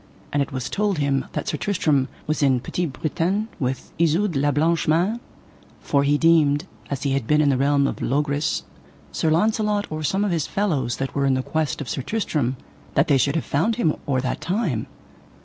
And it was told him that Sir Tristram was in Petit Britain with Isoud la Blanche Mains, for he deemed, an he had been in the realm of Logris, Sir Launcelot or some of his fellows that were in the quest of Sir Tristram that they should have found him or that time.